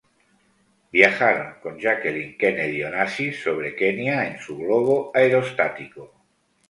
Viajaron con Jacqueline Kennedy Onassis sobre Kenia en su globo aerostático.